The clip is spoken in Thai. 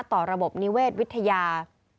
ต่อระบบนิเวศวิทยา